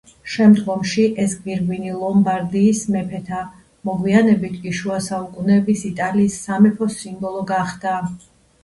შემდგომში ეს გვირგვინი ლომბარდიის მეფეთა, მოგვიანებით კი შუასაუკუნეების იტალიის სამეფოს სიმბოლო გახდა.